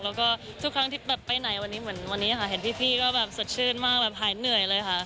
แล้วทุกครั้งที่ไปไหนดูวันนี้เห็นพี่ก็แบบสัดชื่นมากหายเหนื่อยเลยค่ะ